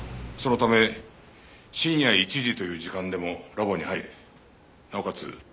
そのため深夜１時という時間でもラボに入れなおかつ